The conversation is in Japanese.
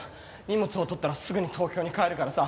荷物を取ったらすぐに東京に帰るからさ。